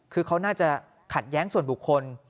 คือเขาน่าจะขัดแย้งส่วนบุคคล